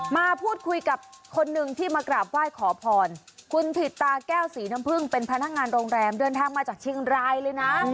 มาพูดคุยกับคนหนึ่งที่มากราบไหว้ขอพรคุณถิตตาแก้วสีน้ำพึ่งเป็นพนักงานโรงแรมเดินทางมาจากเชียงรายเลยนะ